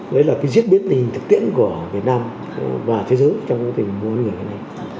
đấy là cái diễn biến tình thực tiễn của việt nam và thế giới trong cái tình mua bán người này